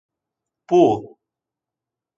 Πού;